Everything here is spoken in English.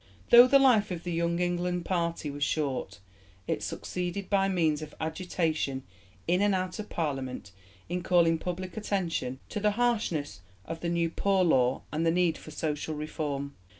Though the life of the 'Young England' party was short, it succeeded by means of agitation in and out of Parliament in calling public attention to the harshness of the New Poor Law and the need for social reform.